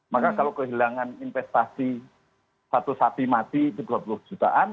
maka kalau kehilangan investasi satu sapi mati itu dua puluh jutaan